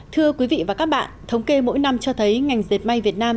thưa quý vị và các bạn thống kê mỗi năm cho thấy ngành dệt may việt nam